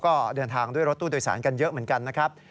ก็เดินทางด้วยรถตู้โดยสารกันเยอะเหมือนกันนะครับ